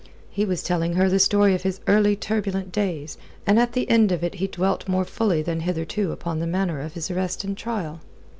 He was telling her the story of his early turbulent days, and at the end of it he dwelt more fully than hitherto upon the manner of his arrest and trial.